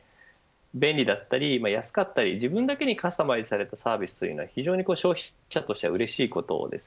便利だったり安かったり自分だけにカスタマイズされたサービスというのは消費者としてはうれしいことです。